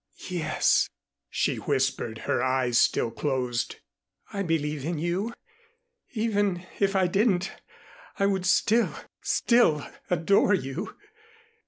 "Yes," she whispered, her eyes still closed. "I believe in you. Even if I didn't, I would still still adore you."